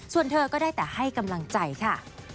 ส่วนเธอก็ได้แต่ให้กำลังใจค่ะ